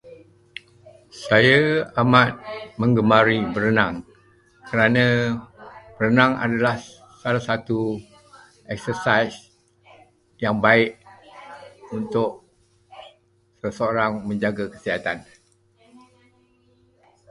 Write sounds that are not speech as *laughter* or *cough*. *noise* Saya amat menggemari berenang, kerana renang adalah salah satu exercise yang baik untuk seseorang menjaga kesihatan.